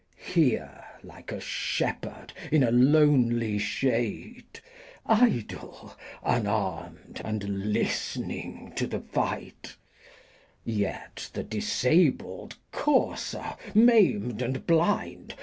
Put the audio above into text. Here, Uke a Shepherd, in a lonely Shade, Idle, unarm'd, and listning to the Fight ; Yet the disabled Courser, maim'd and blind.